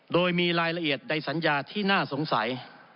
โดยมีรายละเอียดในสัญญาที่น่าสงสัย